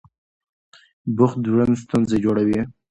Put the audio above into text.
بوخت ژوند ستونزه جوړوي.